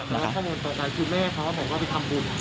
แล้วเขาบอกว่าตอนนั้นคุณแม่เขาบอกว่าไปทำบุญ